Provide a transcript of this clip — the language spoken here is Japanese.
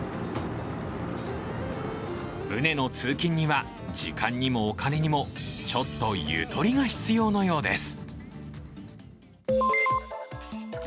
船の通勤には時間にもお金にもちょっとゆとりが必要のようです。